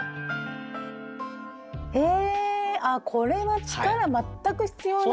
へえあこれは力全く必要ない！